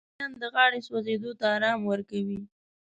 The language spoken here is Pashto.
رومیان د غاړې سوځېدو ته ارام ورکوي